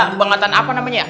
kebangetan apa namanya ya